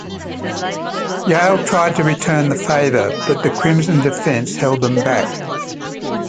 Yale tried to return the favor but the Crimson defense held them back.